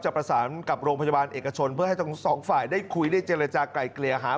ประสานกับโรงพยาบาลเอกชนเพื่อให้ทั้งสองฝ่ายได้คุยได้เจรจากลายเกลี่ยหา